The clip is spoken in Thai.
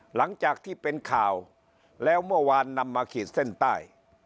หลังจากที่เป็นข่าวแล้วเมื่อวานนำมาขีดเส้นใต้